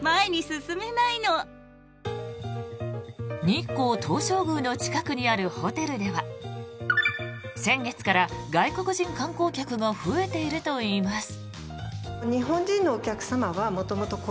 日光東照宮の近くにあるホテルでは先月から外国人観光客が増えているといいます。